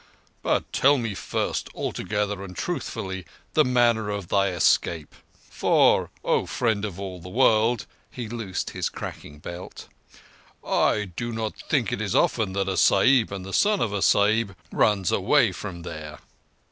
"But tell me first, altogether and truthfully, the manner of thy escape. For, O Friend of all the World,"—he loosed his cracking belt—"I do not think it is often that a Sahib and the son of a Sahib runs away from there."